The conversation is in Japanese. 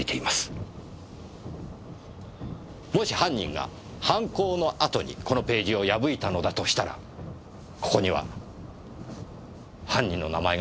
もし犯人が犯行の後にこのページを破いたのだとしたらここには犯人の名前があったと考えて間違いありません。